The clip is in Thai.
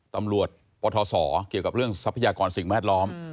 ตำรวจปทศเกี่ยวกับเรื่องทรัพยากรสิ่งแวดล้อม